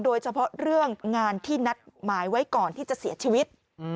โดยเฉพาะเรื่องงานที่นัดหมายไว้ก่อนที่จะเสียชีวิต